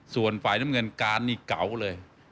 ส่วนฝ่ายน้ำเงินการนี่เก่าเลย